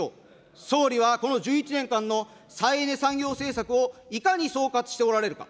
総理はこの１１年間の再エネ産業政策をいかに総括しておられるか。